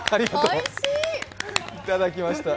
いただきました。